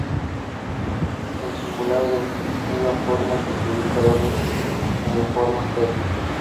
El singular es la forma que se usa hoy día en la forma 'Feld'.